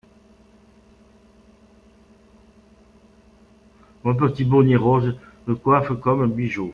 Mon petit bonnet rose me coiffe comme un bijou…